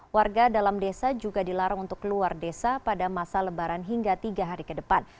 warga dalam desa juga dilarang untuk keluar desa pada masa lebaran hingga tiga hari ke depan